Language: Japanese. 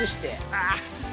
ああ！